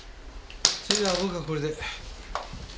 それじゃあ僕はこれで。